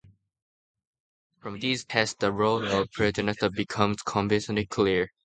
From those tests the role of periodicity becomes convincingly clear.